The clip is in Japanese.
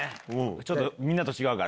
ちょっとみんなと違うから。